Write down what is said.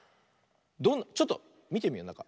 ちょっとみてみようなか。